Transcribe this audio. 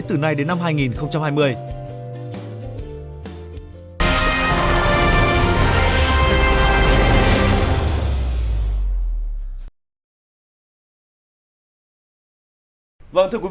từ nay đến năm hai nghìn hai mươi